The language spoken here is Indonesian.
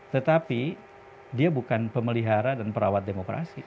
tetapi dia bukan pemelihara dan perawat demokrasi